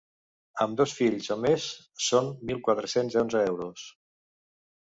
Amb dos fills o més són mil quatre-cents onze euros.